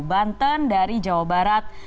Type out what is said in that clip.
banten dari jawa barat